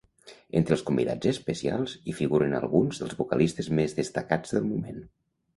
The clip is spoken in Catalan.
Entre els convidats especials, hi figuren alguns dels vocalistes més destacats del moment.